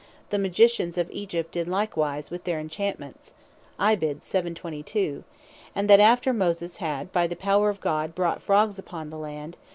"the Magicians of Egypt did so likewise, with their Enchantments;" and that after Moses had by the power of God brought frogs upon the land, (Exod.